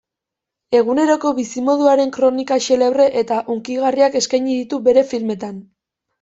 Eguneroko bizimoduaren kronika xelebre eta hunkigarriak eskaini ditu bere filmetan.